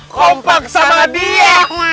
kompak sama dia